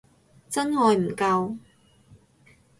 真愛唔夠